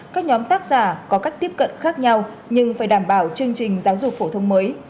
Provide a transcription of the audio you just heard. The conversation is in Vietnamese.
các nhóm tác giả có cách tiếp cận khác nhau nhưng phải đảm bảo chương trình giáo dục phổ thông mới